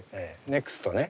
ネクストね。